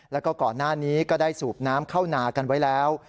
แล้วก็ก่อนหน้านี้ก็ได้สูบน้ำเข้านากันไว้แล้ว